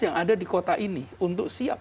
yang ada di kota ini untuk siap